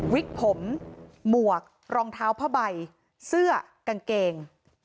วิกผมหมวกรองเท้าผ้าใบเสื้อกางเกง